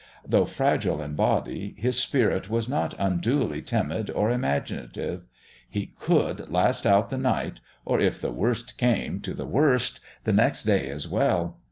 Though fragile in body, his spirit was not unduly timid or imaginative; he could last out the night, or, if the worst came to the worst, the next day as well.